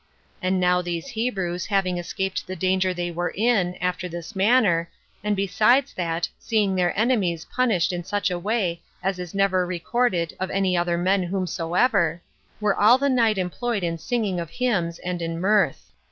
And now these Hebrews having escaped the danger they were in, after this manner, and besides that, seeing their enemies punished in such a way as is never recorded of any other men whomsoever, were all the night employed in singing of hymns, and in mirth.